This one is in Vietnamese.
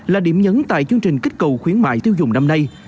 là điểm nhấn tại chương trình kích cầu khuyến mại tiêu dùng năm nay